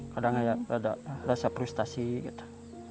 kadang ya ada rasa frustasi gitu